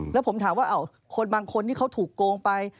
แล้วผมถามว่าคนบางคนที่เขาถูกโกงไป